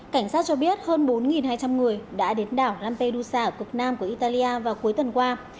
cảnh sát cho biết hơn bốn hai trăm linh người đã đến đảo lampedusa ở cực nam của italia vào cuối tuần qua